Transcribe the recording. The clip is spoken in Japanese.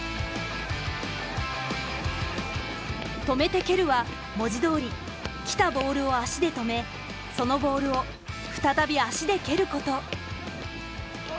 「止めて蹴る」は文字どおり来たボールを足で止めそのボールを再び足で蹴ること。